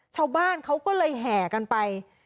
ชาวบ้านเขาก็เลยแห่กันไป